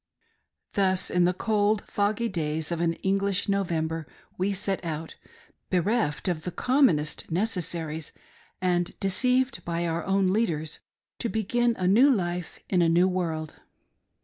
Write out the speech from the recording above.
Thus in the cold, foggy days of an English November we set out, bereft of the commonest necessaries, and deceived by our own leaders, to begin a new life in a new world.